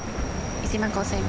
１万５０００円。